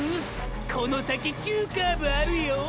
この先急カーブあるよ